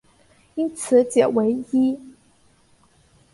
因此解唯一。